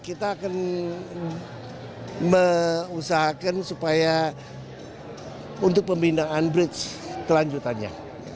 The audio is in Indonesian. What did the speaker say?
kita akan mengusahakan supaya untuk pembinaan bridge kelanjutannya